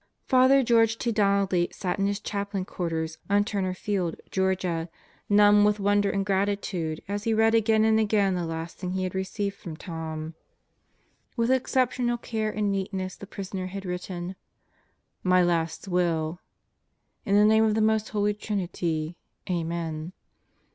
Father George T. Donnelly sat in his chaplain quarters on Turner Field, Georgia, numb with wonder and gratitude as he read again and again the last thing he had received from Tom. With exceptional care and neatness the prisoner had written: MY LAST WILL In the name of the Most Holy Trinity. Amen.